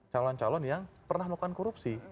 calon calon yang pernah melakukan korupsi